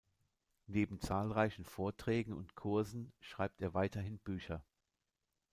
Neben zahlreichen Vorträgen und Kursen schreibt er weiterhin Bücher.